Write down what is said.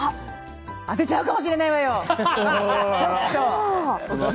当てちゃうかもしれないわよ。